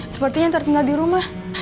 sepertinya yang tertinggal di rumah